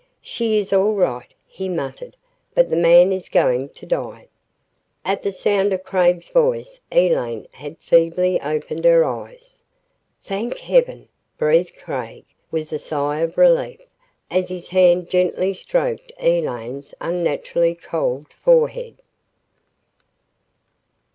"She is all right," he muttered. "But the man is going to die." At the sound of Craig's voice Elaine had feebly opened her eyes. "Thank heaven," breathed Craig, with a sigh of relief, as his hand gently stroked Elaine's unnaturally cold forehead.